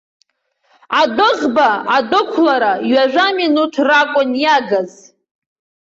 Адәыӷба адәықәлара ҩажәа минуҭ ракәын иагыз.